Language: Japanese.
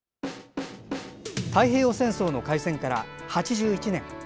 太平洋戦争の開戦から８１年。